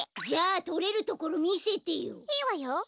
じゃあとれるところみせてよ。